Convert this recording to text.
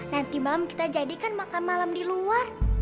nanti malam kita jadikan makan malam di luar